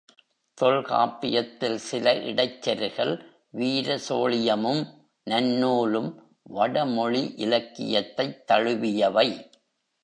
தொல்காப்பியத்தில் சில இடைச் செருகல் வீர சோழியமும், நன்னூலும் வடமொழி இலக்கியத்தைத் தழுவியவை.